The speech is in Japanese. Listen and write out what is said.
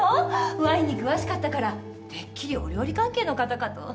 ワインに詳しかったからてっきりお料理関係の方かと。